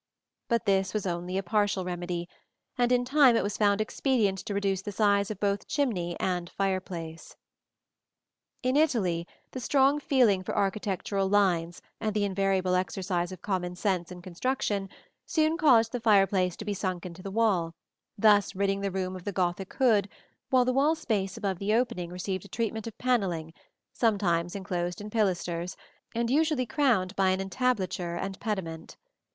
But this was only a partial remedy, and in time it was found expedient to reduce the size of both chimney and fireplace. In Italy the strong feeling for architectural lines and the invariable exercise of common sense in construction soon caused the fireplace to be sunk into the wall, thus ridding the room of the Gothic hood, while the wall space above the opening received a treatment of panelling, sometimes enclosed in pilasters, and usually crowned by an entablature and pediment.